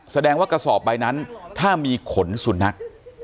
แสดงว่ากระสอบใบนั้นถ้ามีขนสุนัข